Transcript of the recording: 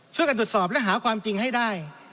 ช่วยกันตรวจสอบและหาความจริงให้ได้